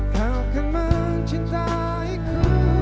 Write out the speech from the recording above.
kau akan mencintaiku